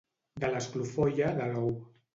De l'esclofolla de l'ou.